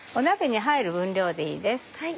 鍋に入る分量でいいです